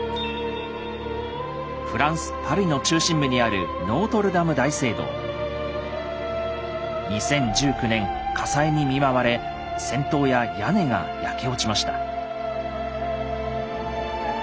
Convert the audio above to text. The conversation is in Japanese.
フランスパリの中心部にある２０１９年火災に見舞われ尖塔や屋根が焼け落ちました。